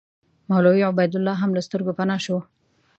مولوي عبیدالله هم له سترګو پناه شو.